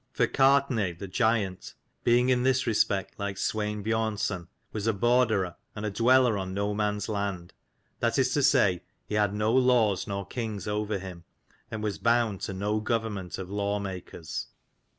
For Gartnaidh the giant, being in this respect like Swein Biornson, was a borderer and a dweller on no man's land, that is to say he had no laws nor kings over him, and was bound to no government of lawmakers.